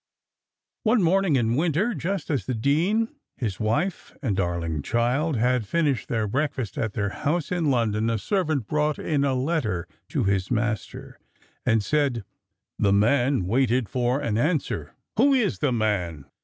One morning in winter, just as the dean, his wife, and darling child, had finished their breakfast at their house in London, a servant brought in a letter to his master, and said "the man waited for an answer." "Who is the man?"